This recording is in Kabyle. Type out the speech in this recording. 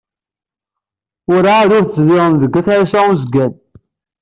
Werɛad ur tezdiɣemt deg At Ɛisa Uzgan.